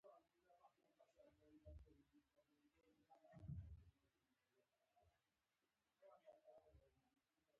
د ارسي پټې له هرې خوا پورته شوې.